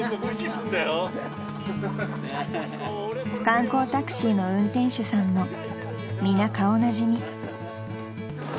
［観光タクシーの運転手さんも皆顔なじみ］